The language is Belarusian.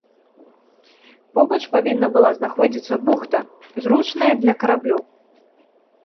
Побач павінна была знаходзіцца бухта, зручная для караблёў.